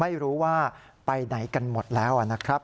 ไม่รู้ว่าไปไหนกันหมดแล้วนะครับ